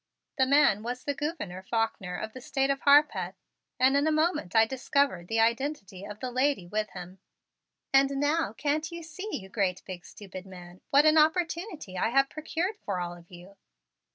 The man was the Gouverneur Faulkner of the State of Harpeth and in a moment I discovered the identity of the lady with him. "And now, can't you see, you great big stupid man, what an opportunity I have procured for all of you?"